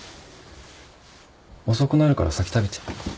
遅くなるから先食べて。